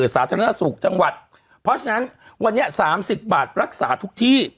สาธารณสุขจังหวัดเพราะฉะนั้นวันนี้๓๐บาทรักษาทุกที่